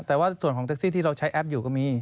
แต่ว่าส่วนของแท็กซี่ที่เราใช้แอปอยู่ก็มี